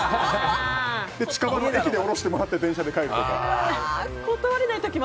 近場の駅で降ろしてもらって電車で帰るとか。